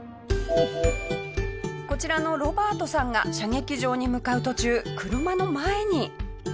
こちらのロバートさんが射撃場に向かう途中車の前に。